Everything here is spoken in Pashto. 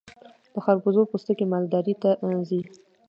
د خربوزې پوستکي مالداري ته ځي.